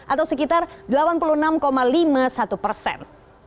atau sekitar delapan puluh enam lima puluh satu persen